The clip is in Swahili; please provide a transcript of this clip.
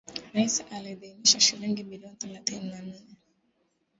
Rais aliidhinisha shilingi bilioni thelathini na nne